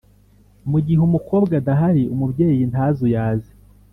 mu gihe umukobwa adahari, umubyeyi ntazuyaze